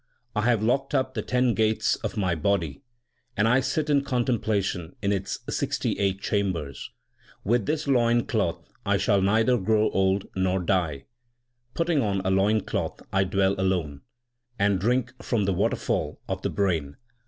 I have locked up the ten gates 5 of my body, And I sit in contemplation in its sixty eight chambers. 6 With this loin cloth I shall neither grow old nor die. Putting on a loin cloth I dwell alone And drink from the waterfall 7 of the brain.